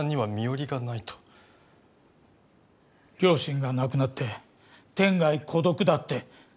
両親が亡くなって天涯孤独だって。